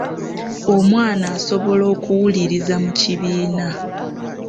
Omwana asobola okuwuliriza mu kibiina.